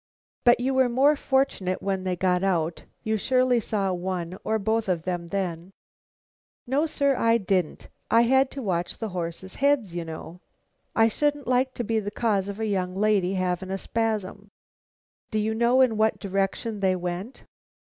"But you were more fortunate when they got out? You surely saw one or both of them then?" "No, sir, I didn't. I had to watch the horses' heads, you know. I shouldn't like to be the cause of a young lady having a spasm." "Do you know in what direction they went?"